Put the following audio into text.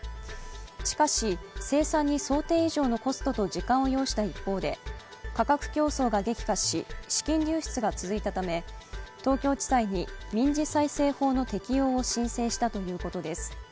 しかし、生産に想定以上のコストと時間を要した一方で価格競争が激化し資金流出が続いたため東京地裁に民事再生法の適用を申請したということです。